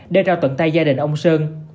để rao tuận tai gia đình ông sơn